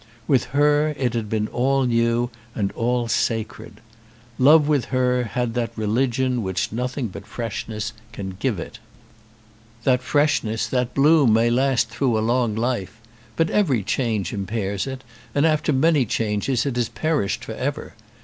With her it had been all new and all sacred. Love with her had that religion which nothing but freshness can give it. That freshness, that bloom, may last through a long life. But every change impairs it, and after many changes it has perished for ever.